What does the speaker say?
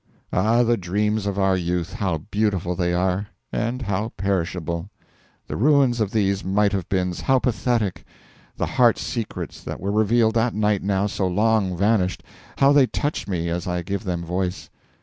Ah, the dreams of our youth, how beautiful they are, and how perishable! The ruins of these might have beens, how pathetic! The heart secrets that were revealed that night now so long vanished, how they touch me as I give them voice!